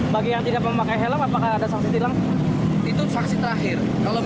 bagi yang tidak memakai helm apakah ada sanksi tilang